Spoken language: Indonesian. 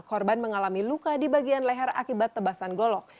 korban mengalami luka di bagian leher akibat tebasan golok